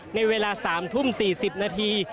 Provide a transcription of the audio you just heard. ในเวลา๓ทุ่ม๔๐นาที